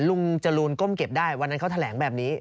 จรูนก้มเก็บได้วันนั้นเขาแถลงแบบนี้